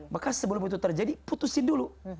maka sebelum itu terjadi putusin dulu